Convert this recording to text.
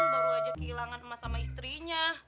tapi kan baru aja kehilangan emas sama istrinya